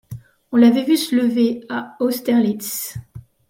On l’avait vu se lever à Austerlitz.